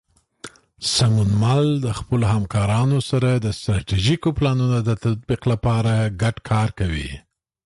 سمونمل د خپلو همکارانو سره د ستراتیژیکو پلانونو د تطبیق لپاره ګډ کار کوي.